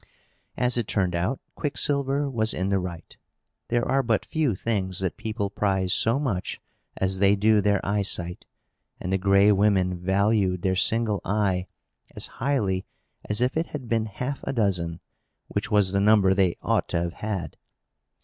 As it turned out, Quicksilver was in the right. There are but few things that people prize so much as they do their eyesight; and the Gray Women valued their single eye as highly as if it had been half a dozen, which was the number they ought to have had.